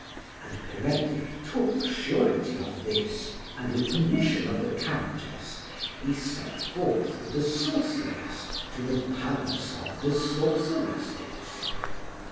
And Peredur took surety of this, and with permission of the Countess, he set forth with the sorceress to the palace of the sorceresses.